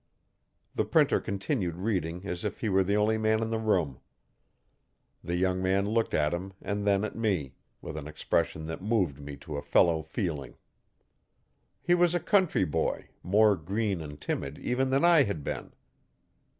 The Printer continued reading as if he were the only man in the room. The young man looked at him and then at me with an expression that moved me to a fellow feeling. He was a country boy, more green and timid even than I had been.